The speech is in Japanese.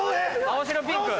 青白ピンク！